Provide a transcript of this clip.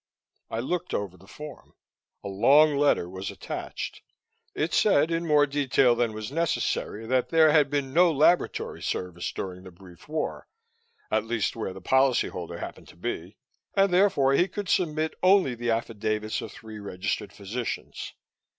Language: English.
I looked over the form. A long letter was attached; it said in more detail than was necessary that there had been no laboratory service during the brief war, at least where the policyholder happened to be, and therefore he could submit only the affidavits of three registered physicians.